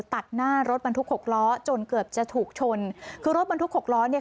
ตัดหน้ารถบรรทุกหกล้อจนเกือบจะถูกชนคือรถบรรทุกหกล้อเนี่ย